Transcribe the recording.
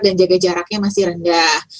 dan jaga jaraknya masih rendah